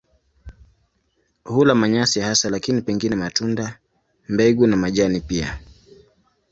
Hula manyasi hasa lakini pengine matunda, mbegu na majani pia.